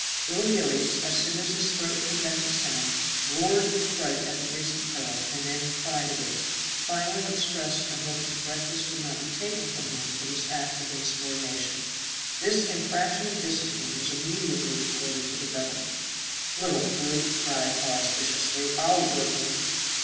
Little Gillies, as soon as his throat could vent a sound, roared with fright at the recent peril, and then cried a bit, finally expressed a hope his breakfast would not be taken from him for this act of insubordination. This infraction of discipline was immediately reported to the governor. "Little brute," cried Hawes, viciously, "I'll work him!"